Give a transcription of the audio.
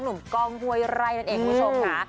นุมกล้องฮวยไร่นั้นเองผู้ชมค่ะ